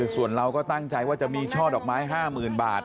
ส่วนเราก็ตั้งใจว่าจะมีช่อดอกไม้๕๐๐๐บาท